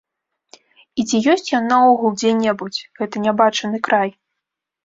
І ці ёсць ён наогул дзе-небудзь, гэты нябачаны край?